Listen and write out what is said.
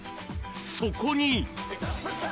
そこに。